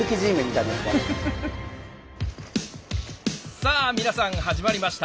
さあ皆さん始まりました。